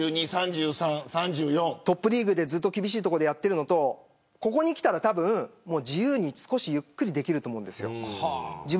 トップリーグで、ずっと厳しいところでやってるのとここに来たら、たぶん自由に少しゆっくりできると思います。